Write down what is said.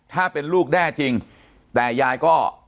ถ้าเป็นลูกแน่จริงแต่ยายก็